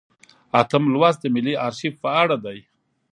اتم لوست د ملي ارشیف په اړه دی.